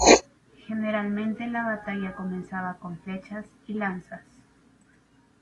Generalmente la batalla comenzaba con flechas y lanzas.